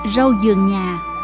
rau dường nhà